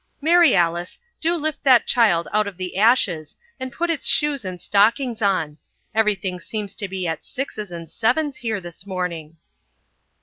Mary Alice, do lift that child out of the ashes and put its shoes and stockings on. Everything seems to be at sixes and sevens here this morning."